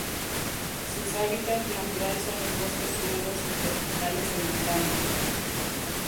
Sus hábitat natural son los bosques húmedos subtropicales de montaña.